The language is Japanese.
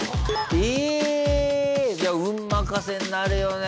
ええ！じゃあ運任せになるよね